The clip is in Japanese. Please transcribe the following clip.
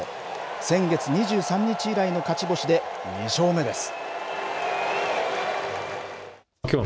先月２３日以来の勝ち星で、２勝目です。